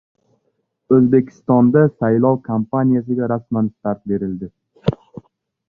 O‘zbekistonda saylov kompaniyasiga rasman start berildi